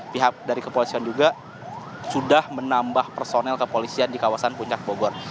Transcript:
pihak dari kepolisian juga sudah menambah personel kepolisian di kawasan puncak bogor